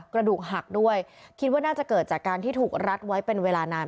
กระดูกหักด้วยคิดว่าน่าจะเกิดจากการที่ถูกรัดไว้เป็นเวลานาน